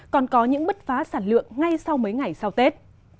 còn có những bứt phá sản lượng ngay sau mấy ngày sau tết